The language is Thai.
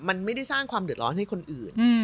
มันไม่ได้สร้างความเดือดร้อนให้คนอื่น